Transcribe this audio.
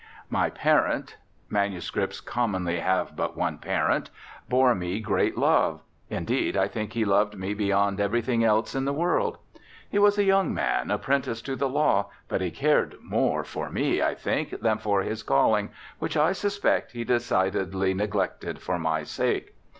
My parent manuscripts commonly have but one parent bore me great love; indeed I think he loved me beyond everything else in the world. He was a young man apprenticed to the law, but he cared more for me, I think, than for his calling, which I suspect he decidedly neglected for my sake.